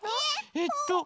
えっと。